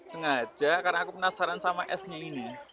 sengaja karena aku penasaran sama esnya ini